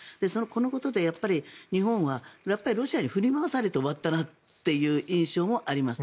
このことで、日本はロシアに振り回されて終わったなという印象もあります。